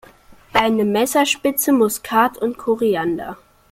Eine Messerspitze Muskat und Koriander.